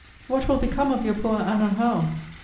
What will become of your poor Anna Howe!